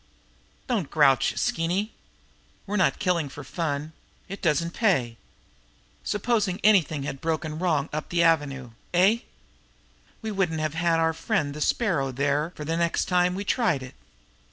"Don't grouch, Skeeny! We're not killing for fun it doesn't pay. Supposing anything had broken wrong up the Avenue eh? We wouldn't have had our friend the Sparrow there for the next time we tried it!"